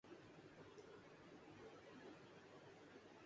اس کا متشدد اقدامات